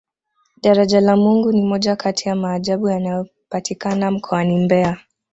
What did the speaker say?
daraja la mungu ni moja Kati ya maajabu yanayopatikana mkoani mbeya